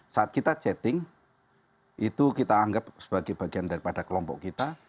saat kita chatting itu kita anggap sebagai bagian daripada kelompok kita